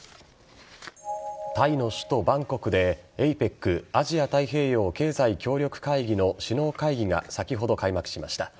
タイの首都・バンコクでＡＰＥＣ＝アジア太平洋経済協力会議の首脳会議が先ほど開幕しました。